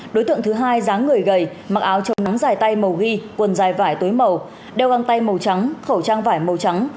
đối tượng thứ hai dáng người gầy mặc áo chống nắng dài tay màu ghi quần dài vải tối màu đeo găng tay màu trắng khẩu trang vải màu trắng